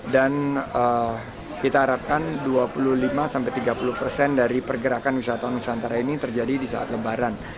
dan kita harapkan dua puluh lima hingga tiga puluh persen dari pergerakan wisatawan nusantara ini terjadi di saat lebaran